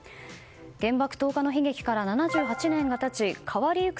原爆投下の悲劇から７８年が経ち変わりゆく